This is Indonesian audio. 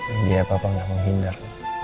iya papa gak menghindar